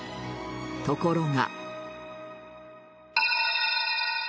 ところが。